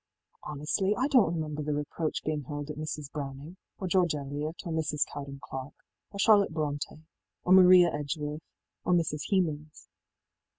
í Honestly, I donít remember the reproach being hurled at Mrs. Browning, or George Eliot, or Mrs. Cowden Clarke, or Charlotte BrontÎ, or Maria Edgeworth, or Mrs. Hemans.